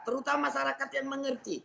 terutama masyarakat yang mengerti